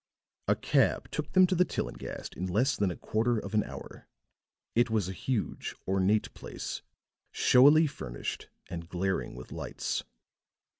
A cab took them to the Tillinghast in less than a quarter of an hour. It was a huge, ornate place, showily furnished and glaring with lights.